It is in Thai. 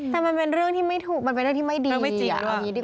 มันเป็นเรื่องที่ไม่ถูกมันไม่ได้ที่ไม่ดี